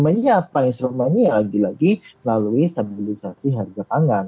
jadi apa yang harus dilakukan lagi lagi lalui stabilisasi harga pangan